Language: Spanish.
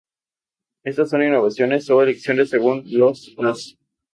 Estas son innovaciones o elecciones, según los os.